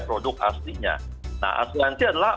produk aslinya nah asuransi adalah